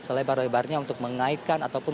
selebar lebarnya untuk mengaitkan ataupun